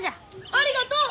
ありがとう！